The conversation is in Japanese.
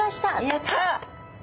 やった！